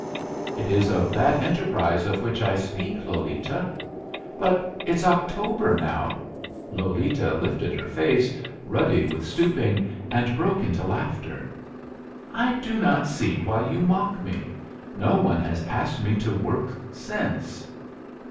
"It is of that enterprise of which I speak, Lolita." "But it's October now!" Lolita lifted her face, ruddy with stooping, and broke into laughter. "I do not see why you mock me. No one has asked me to work since."